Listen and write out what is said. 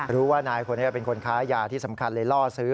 รู้ว่านายคนนี้เป็นคนค้ายาที่สำคัญเลยล่อซื้อ